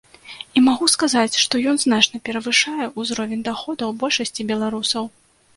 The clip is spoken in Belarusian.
І магу сказаць, што ён значна перавышае ўзровень даходаў большасці беларусаў.